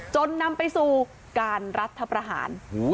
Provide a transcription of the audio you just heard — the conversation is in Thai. จนนำไปสู่การรัฐประหาร